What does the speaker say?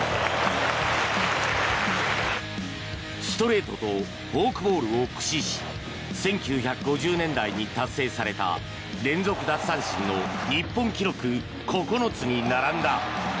ストレートとフォークボールを駆使し１９５０年代に達成された連続奪三振の日本記録９つに並んだ。